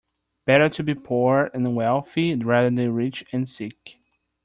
Better to be poor and healthy rather than rich and sick.